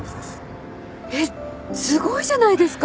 えっすごいじゃないですか！